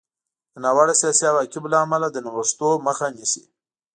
د ناوړه سیاسي عواقبو له امله د نوښتونو مخه نیسي.